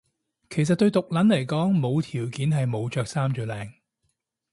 其實對毒撚嚟講無條件係冇着衫最靚